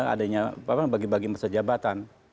adanya bagi bagi masa jabatan